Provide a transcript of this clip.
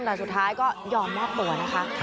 แต่สุดท้ายก็ยอมมอบตัวนะคะ